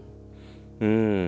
うん。